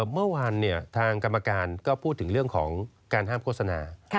เมื่อวานทางกรรมการก็พูดถึงเรื่องของการห้ามโฆษณา